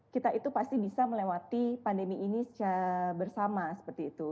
kita itu pasti bisa melewati pandemi ini bersama seperti itu